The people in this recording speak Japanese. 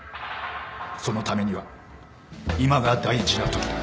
そのためには今が大事なときだ。